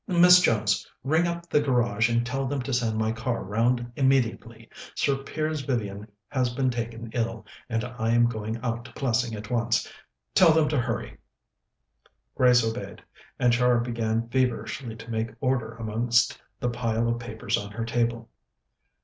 "Miss Jones, ring up the garage and tell them to send my car round immediately. Sir Piers Vivian has been taken ill, and I am going out to Plessing at once. Tell them to hurry." Grace obeyed, and Char began feverishly to make order amongst the pile of papers on her table.